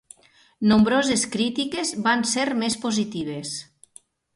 Nombroses crítiques van ser més positives.